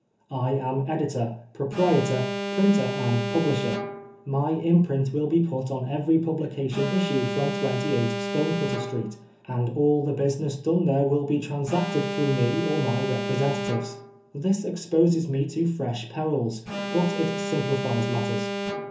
I am editor, proprietor, printer and publisher. My imprint will be put on every publication issued from 28 Stonecutter Street, and all the busLness done there will be transacted through me or my representatives. This exposes me to fresh perils, but it simplifies matters.